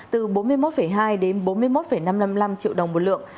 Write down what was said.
từ bốn mươi một hai đến bốn mươi một năm trăm năm mươi năm triệu đồng một lượng